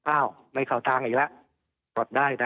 อ้าวไม่เข้าทางอีกแล้วกดได้นะ